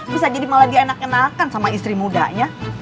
bisa jadi malah dienak enak enakan sama istri mudanya